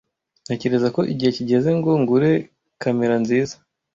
Ntekereza ko igihe kigeze ngo ngure kamera nziza.